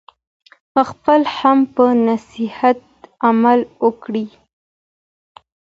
خپله هم په نصیحت عمل وکړئ.